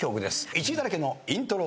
１位だらけのイントロ。